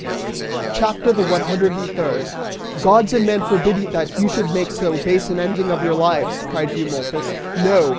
CHAPTER THE ONE HUNDRED AND THIRD. "Gods and men forbid that you should make so base an ending of your lives," cried Eumolpus. "No!